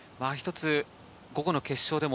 午後の決勝でも